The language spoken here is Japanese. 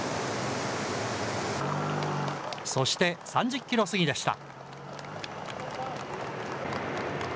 そして３０キロ過ぎでした。